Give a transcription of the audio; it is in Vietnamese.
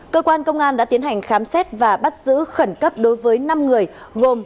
cơ quan công an đã tiến hành khám xét và bắt giữ khẩn cấp đối với năm người gồm